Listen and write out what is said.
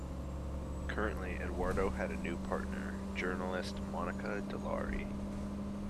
Currently, Eduardo has a new partner, journalist Monica Dallari.